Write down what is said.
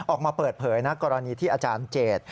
ออกมาเปิดเผยนะกรณีที่อาจารย์เจต